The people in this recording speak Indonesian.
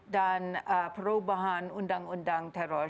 dan perubahan undang undang teror